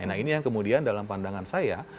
nah ini yang kemudian dalam pandangan saya